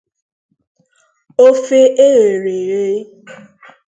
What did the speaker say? ofe e ghere eghe